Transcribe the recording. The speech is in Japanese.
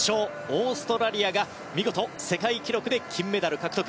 オーストラリアが見事、世界記録で金メダル獲得。